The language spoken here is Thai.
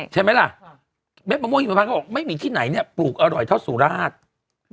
ใช่ไหมล่ะเม็ดมะม่วงหิมพันธ์เขาบอกไม่มีที่ไหนเนี่ยปลูกอร่อยเท่าสุราช